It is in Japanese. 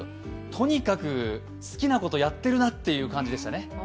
とにかく好きなことやってるなという感じでしたね。